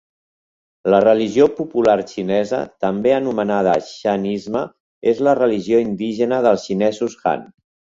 La religió popular xinesa, també anomenada Xenisme, és la religió indígena dels xinesos Han.